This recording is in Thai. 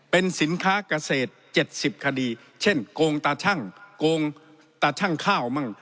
เป็นสินค้าเกษตร๗๐คดีเช่นโกงตาชั่งโกงตาชั่งข้าวมั่ง